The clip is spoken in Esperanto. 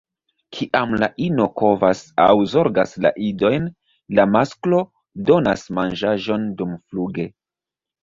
Kiam la ino kovas aŭ zorgas la idojn, la masklo donas manĝaĵon dumfluge.